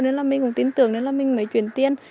nên là mình cũng tin tưởng nên là mình mới chuyển tiền